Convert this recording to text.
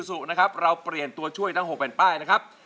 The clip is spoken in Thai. สุนะครับเราเปลี่ยนตัวช่วยทั้ง๖แผ่นป้ายนะครับ